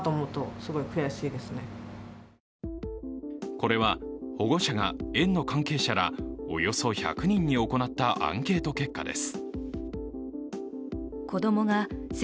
これは保護者が園の関係者らおよそ１００人に行ったアンケート結果です。